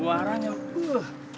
nggak ada yang pengen ngajarin